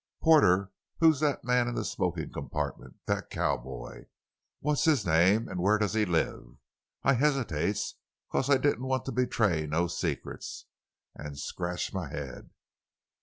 'Porter, who's that man in the smoking compartment—that cowboy? What's his name, an' where does he live?' I hesitates, 'cause I didn't want to betray no secrets—an' scratch my haid.